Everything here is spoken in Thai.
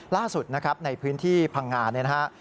ล่าสุดนะครับในพื้นที่พังงาเนี่ยนะฮะ